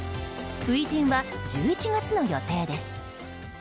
初陣は１１月の予定です。